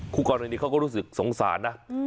คู่กรณีเขาก็รู้สึกสงสารนะ